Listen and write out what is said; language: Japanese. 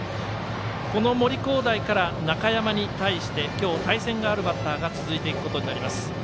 森煌誠から、中山に対して今日、対戦があるバッターが続いていくことになります。